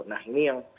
nah ini yang